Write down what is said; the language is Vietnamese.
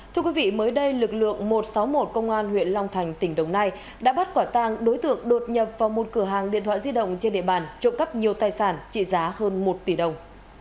thưa quý vị mới đây lực lượng một trăm sáu mươi một công an huyện long thành tỉnh đồng nai đã bắt quả tang đối tượng đột nhập vào một cửa hàng điện thoại di động trên địa bàn trộm cắp nhiều tài sản trị giá hơn một tỷ đồng